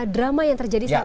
drama yang terjadi